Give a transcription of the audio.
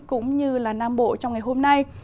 cũng như là nam bộ trong ngày hôm nay